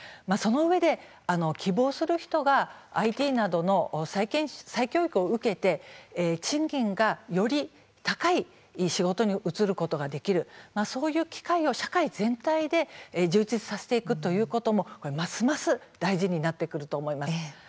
そのうえで希望する人がＩＴなどの再教育を受けて賃金がより高い仕事に移ることができるそういう機会を社会全体で充実させていくこともますます大事になってくると思います。